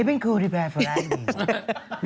กิมเป็นครูที่แพร่ฟ้าแรงดิ